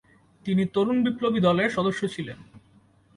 তিনি তরুণ-বিপ্লবী দলের সদস্য ছিলেন।